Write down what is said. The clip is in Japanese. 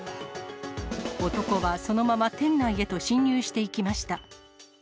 男はそのまま店内へと侵入していきました。